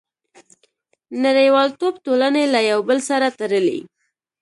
• نړیوالتوب ټولنې له یو بل سره تړلي.